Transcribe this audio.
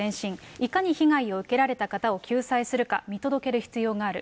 いかに被害を受けられた方を救済するか、見届ける必要がある。